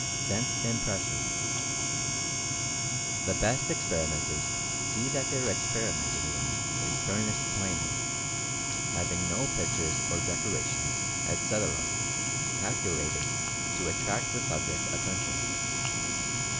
SENSE IMPRESSIONS. The best experimenters see that their experimenting room is furnished plainly, having no pictures or dec orations, etc., calculated to attract the subject's at tention.